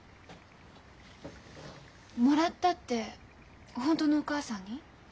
「もらった」って本当のお母さんに？